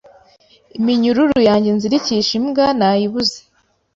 Iminyururu yanjye nzirikisha imbwa nayibuze